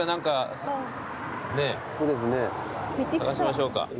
探しましょうか。